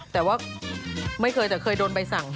แต่ว่าไม่เคยแต่เคยโดนใบสั่ง